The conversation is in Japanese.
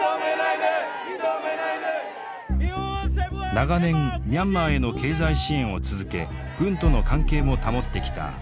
長年ミャンマーへの経済支援を続け軍との関係も保ってきた日本。